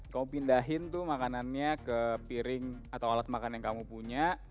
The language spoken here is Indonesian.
kamu pindahin tuh makanannya ke piring atau alat makan yang kamu punya